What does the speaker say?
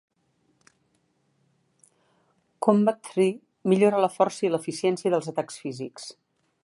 Combat tree millora la força i l'eficiència dels atacs físics.